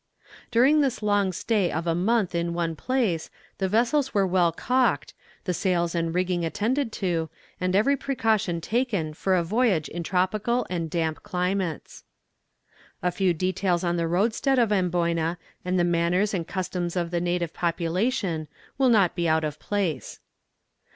During this long stay of a month in one place the vessels were well caulked, the sails and rigging attended to, and every precaution taken for a voyage in tropical and damp climates. A few details on the roadstead of Amboyna, and the manners and customs of the native population, will not be out of place.